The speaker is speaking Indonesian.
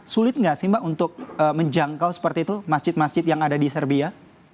sulit nggak sih mbak untuk menjangkau seperti itu masjid masjid yang ada di serbia